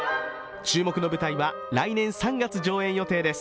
注目の舞台は来年３月上演予定です。